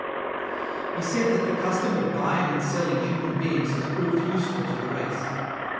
He said that the custom of buying and selling human beings has proved useful to the race.